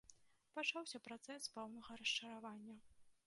Пачаўся працэс пэўнага расчаравання.